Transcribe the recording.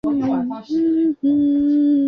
马德朗热。